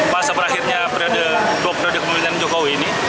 masa berakhirnya periode periode kemuliaan jokowi ini